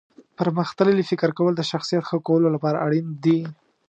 پرمختللي فکر کول د شخصیت ښه کولو لپاره اړین دي.